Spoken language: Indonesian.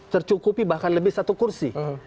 tercukupi bahkan lebih satu kursi